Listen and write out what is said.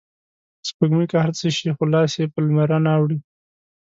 سپوږمۍ که هر څه شي خو لاس یې په لمرنه اوړي